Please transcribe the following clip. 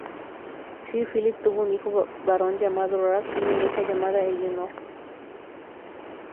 Sir Philip tuvo un hijo varón llamado Ralph y una hija llamada Elinor.